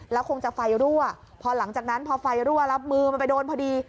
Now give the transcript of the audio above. แล้วคงจะไฟรั่วพอหลังจากนั้นพอไฟรั่วแล้วมือมันไปโดนพอดี